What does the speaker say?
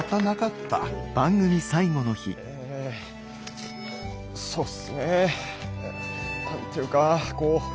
えそうすね何て言うかこう。